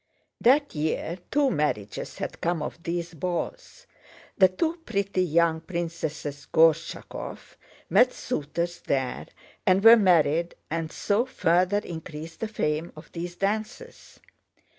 That year two marriages had come of these balls. The two pretty young Princesses Gorchakóv met suitors there and were married and so further increased the fame of these dances.